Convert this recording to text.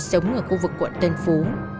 sống ở khu vực quận tân phú